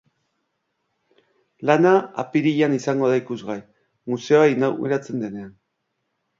Lana apirilean izango da ikusgai, museoa inauguratzen denean.